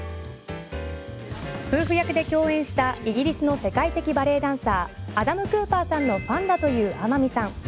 夫婦役で共演したイギリスの世界的バレエダンサーアダム・クーパーさんのファンだという天海さん。